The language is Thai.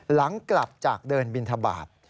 หลังกลับจากเดินบินทบาท